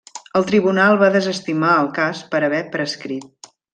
El tribunal va desestimar el cas per haver prescrit.